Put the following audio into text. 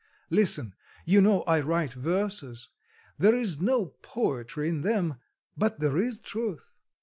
Listen, you know I write verses; there is no poetry in them, but there is truth.